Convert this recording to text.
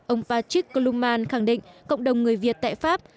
ông patrick caluman khẳng định cộng đồng người việt tại pháp